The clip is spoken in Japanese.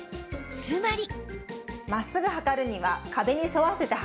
つまり。